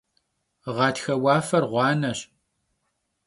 Ğatxe vuafer ğuaneş.